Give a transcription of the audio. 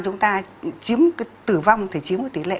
chiếm tử vong thì chiếm tỷ lệ